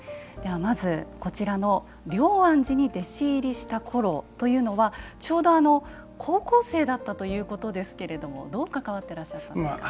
まず、龍安寺に弟子入りしたころというのはちょうど、高校生だったということですがどう関わってらっしゃったんですか。